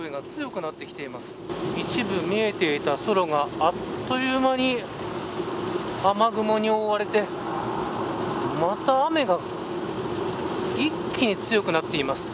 一部、見えていた空があっという間に雨雲に覆われてまた雨が一気に強くなっています。